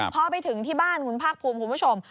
พอไปถึงที่บ้านคุณภาคภูมิคุณผู้ชม